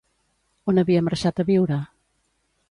On havia marxat a viure?